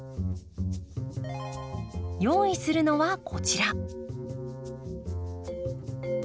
用意するのはこちら。